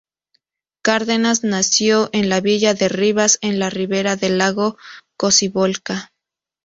Cárdenas nació en la Villa de Rivas en la ribera del Lago Cocibolca.